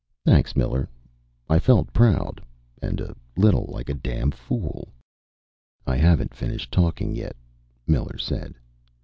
"Thanks, Miller." I felt proud and a little like a damn fool. "I haven't finished talking yet," Miller said.